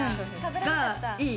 がいい！